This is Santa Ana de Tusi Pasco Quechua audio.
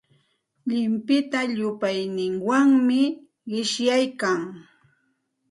Lintipa llupayninwanmi qishyaykan.